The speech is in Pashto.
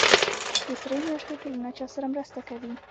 د سرې میاشتې ټولنه چا سره مرسته کوي؟